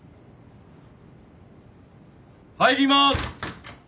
入りまーす！